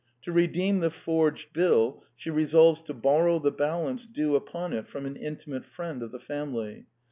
To redeem the forged bill, she resolves to borrow the balance due upon it from an intimate friend of the family.